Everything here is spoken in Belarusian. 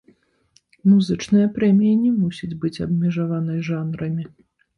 Музычная прэмія не мусіць быць абмежаванай жанрамі.